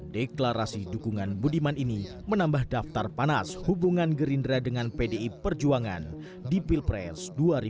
deklarasi dukungan budiman ini menambah daftar panas hubungan gerindra dengan pdi perjuangan di pilpres dua ribu sembilan belas